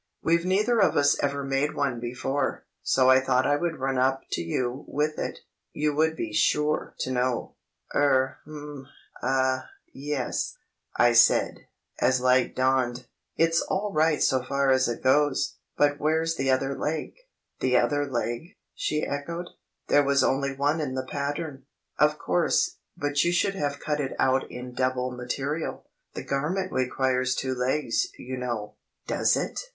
We've neither of us ever made one before, so I thought I would run up to you with it; you would be sure to know." "Er—h'm—ah—yes," I said, as light dawned. "It's all right so far as it goes; but where's the other leg?" "The other leg?" she echoed, "there was only one in the pattern." "Of course; but you should have cut it out in double material; the garment requires two legs, you know." "Does it!"